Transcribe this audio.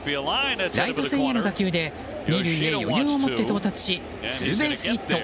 ライト線への打球で２塁へ余裕を持って到達しツーベースヒット。